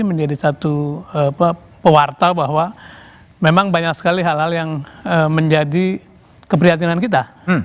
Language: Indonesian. menjadi satu pewarta bahwa memang banyak sekali hal hal yang menjadi keprihatinan kita